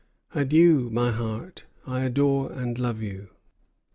Adieu, my heart; I adore and love you!"